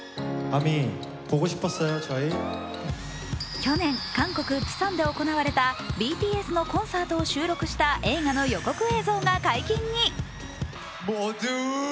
去年、韓国プサンで行われたＢＴＳのコンサートを収録した映画の予告映像が解禁に。